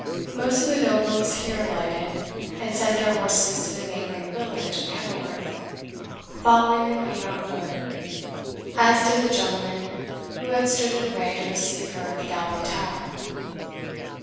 Most of the nobles here alighted, and sent their horses to the neighbouring village of Kenilworth, following the Queen on foot, as did the gentlemen who had stood in array to receive her at the Gallery tower.